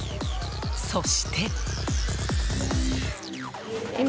そして。